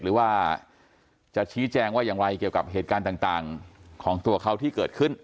หรือว่าจะชี้แจงว่าอย่างไรเกี่ยวกับเหตุการณ์ต่างของตัวเขาที่เกิดขึ้น